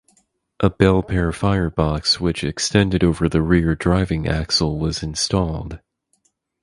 A Belpaire firebox which extended over the rear driving axle was installed.